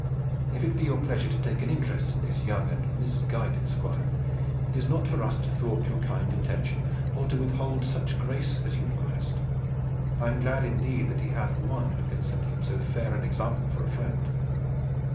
If it be your pleasure to take an interest in this young and misguided Squire, it is not for us to thwart your kind intention or to withhold such grace as you request. I am glad indeed that he hath one who can set him so fair an example for a friend."